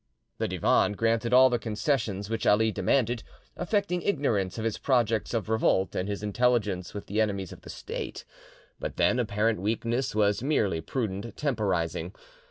The Divan granted all the concessions which Ali demanded, affecting ignorance of his projects of revolt and his intelligence with the enemies of the State; but then apparent weakness was merely prudent temporising.